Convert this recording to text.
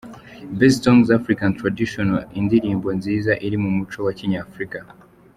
Best Song African Traditional: Indirimbo nziza iri mu muco wa Kinyafrika.